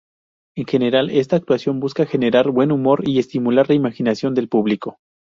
En general, esta actuación busca generar buen humor y estimular la imaginación del público.